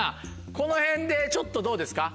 このへんでちょっとどうですか？